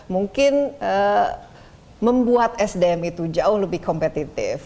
mungkin membuat sdm itu jauh lebih kompetitif